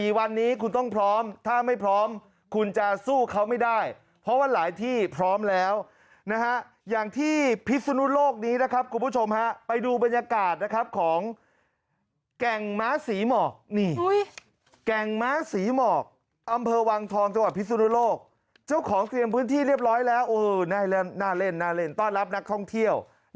วันนี้คุณต้องพร้อมถ้าไม่พร้อมคุณจะสู้เขาไม่ได้เพราะว่าหลายที่พร้อมแล้วนะฮะอย่างที่พิศนุโลกนี้นะครับคุณผู้ชมฮะไปดูบรรยากาศนะครับของแก่งม้าศรีหมอกนี่แก่งม้าศรีหมอกอำเภอวังทองจังหวัดพิสุนุโลกเจ้าของเตรียมพื้นที่เรียบร้อยแล้วน่าเล่นน่าเล่นต้อนรับนักท่องเที่ยว